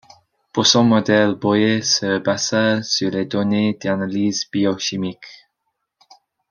Pour son modèle Boyer se basa sur des données d'analyses biochimiques.